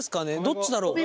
どっちだろう。